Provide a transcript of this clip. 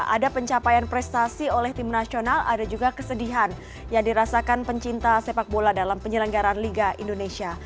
ada pencapaian prestasi oleh tim nasional ada juga kesedihan yang dirasakan pencinta sepak bola dalam penyelenggaran liga indonesia